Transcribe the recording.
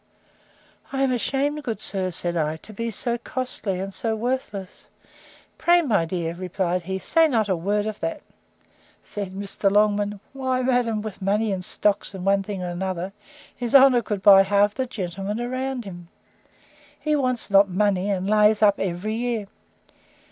I am ashamed, good sir, said I, to be so costly, and so worthless! Pray, my dear, replied he, say not a word of that. Said Mr. Longman, Why, madam, with money in stocks, and one thing or another, his honour could buy half the gentlemen around him. He wants not money, and lays up every year.